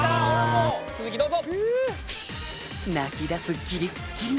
続きどうぞ！